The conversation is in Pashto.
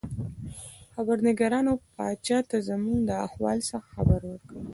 خبرنګارانو پاچا ته زموږ له احوال څخه خبر ورکړ.